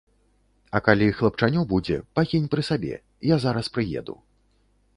А калі хлапчанё будзе, пакінь пры сабе, я зараз прыеду.